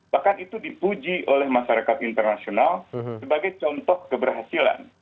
bahkan itu dipuji oleh masyarakat internasional sebagai contoh keberhasilan